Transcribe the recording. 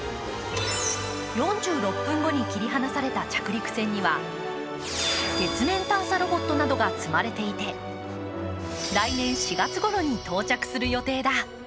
４６分後に切り離された着陸船には月面探査ロボットなどが積まれていて来年４月ごろに到着する予定だ。